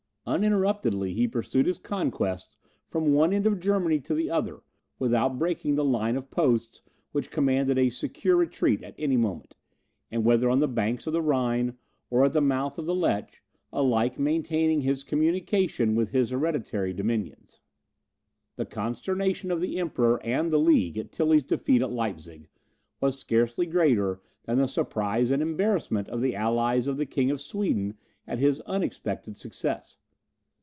Uninterruptedly he pursued his conquests from one end of Germany to the other, without breaking the line of posts which commanded a secure retreat at any moment; and whether on the banks of the Rhine, or at the mouth of the Lech, alike maintaining his communication with his hereditary dominions. The consternation of the Emperor and the League at Tilly's defeat at Leipzig, was scarcely greater than the surprise and embarrassment of the allies of the King of Sweden at his unexpected success.